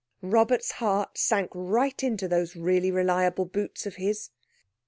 Robert's heart sank right into those really reliable boots of his.